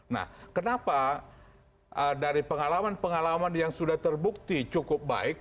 nah kenapa dari pengalaman pengalaman yang sudah terbukti cukup baik